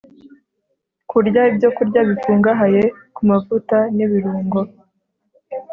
kurya ibyokurya bikungahaye ku mavuta nibirungo